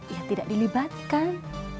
ya tidak dilibatkan